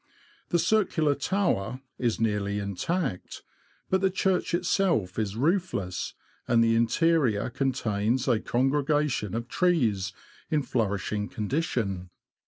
The circular tower is nearly intact, but the church itself is roofless, and the interior contains a congregation of trees, in flourishing condi tion.